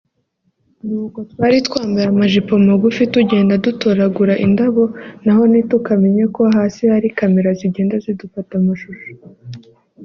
nuko twari twambaye amajipo magufi tugenda dutoragura indabo naho ntitukamenye ko hasi hari Camera zigenda zidufata amashusho